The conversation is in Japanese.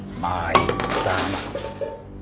参ったな。